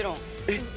えっ。